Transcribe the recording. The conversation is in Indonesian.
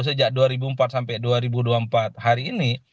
sejak dua ribu empat sampai dua ribu dua puluh empat hari ini